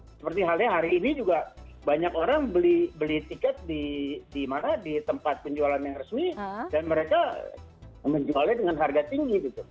seperti halnya hari ini juga banyak orang beli tiket di tempat penjualan yang resmi dan mereka menjualnya dengan harga tinggi gitu